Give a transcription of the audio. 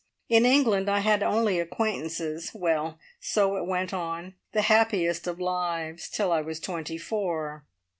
In England I had only acquaintances. Well! So it went on, the happiest of lives, till I was twenty four.